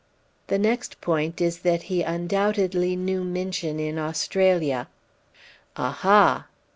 "The next point is that he undoubtedly knew Minchin in Australia " "Aha!"